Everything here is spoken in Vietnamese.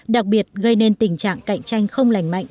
đặc biệt gây nên tình trạng cạnh tranh không lành mạnh